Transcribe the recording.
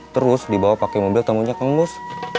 terus dibawa pake mobil tamunya kang mus